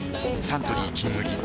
サントリー「金麦」